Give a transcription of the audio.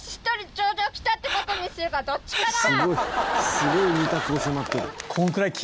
「すごい２択を迫ってる」